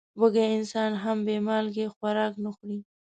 وږی انسان هم بې مالګې خوراک نه خوري.